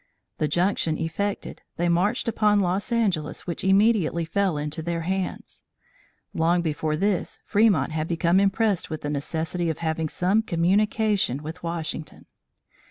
The junction effected, they marched upon Los Angeles which immediately fell into their hands. Long before this, Fremont had become impressed with the necessity of having some communication with Washington.